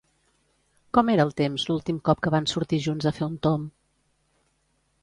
Com era el temps l'últim cop que van sortir junts a fer un tomb?